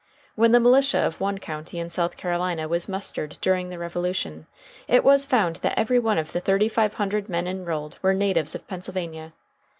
When the militia of one county in South Carolina was mustered during the Revolution, it was found that every one of the thirty five hundred men enrolled were natives of Pennsylvania.